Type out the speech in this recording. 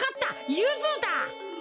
ゆずだ！